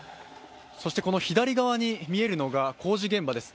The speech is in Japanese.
そしてこの左側に見えるのが工事現場です。